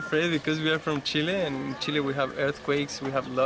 jadi ada selalu alat untuk sesuatu